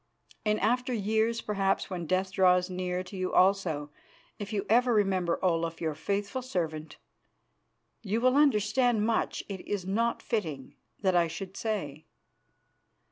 In after years, perhaps, when death draws near to you also, if ever you remember Olaf, your faithful servant, you will understand much it is not fitting that I should say.